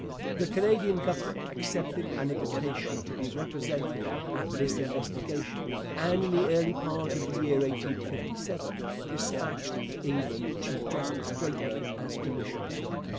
The Canadian Government accepted an invitation to be represented at this investigation, and in the early part of the year 1857 dispatched to England Chief Justice Draper as commissioner.